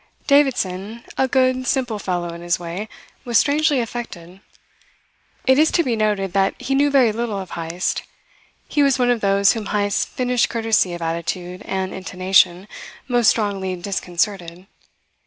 Davidson, a good, simple fellow in his way, was strangely affected. It is to be noted that he knew very little of Heyst. He was one of those whom Heyst's finished courtesy of attitude and intonation most strongly disconcerted.